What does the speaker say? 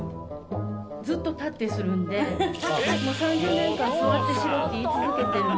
ずっと立ってするんで３０年間座ってしろって言い続けてるんですけど。